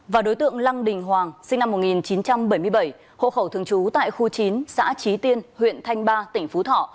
và đối tượng lăng đình hoàng sinh năm một nghìn chín trăm bảy mươi bảy hộ khẩu thường trú tại khu chín xã trí tiên huyện thanh ba tỉnh phú thọ